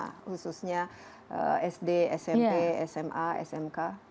khususnya sd smp sma smk